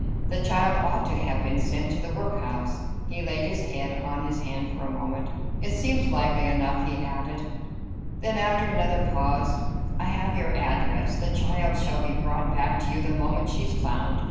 "That child ought to have been sent to the workhouse." He laid his head on his hand for a moment. "It seems likely enough," he added. Then after another pause "I have your address. The child shall be brought back to you the moment she's found.